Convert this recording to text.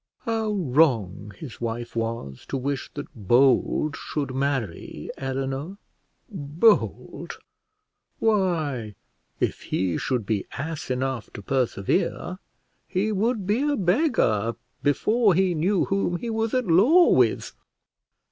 How wrong his wife was to wish that Bold should marry Eleanor! Bold! why, if he should be ass enough to persevere, he would be a beggar before he knew whom he was at law with!